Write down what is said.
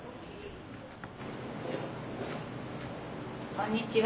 こんにちは。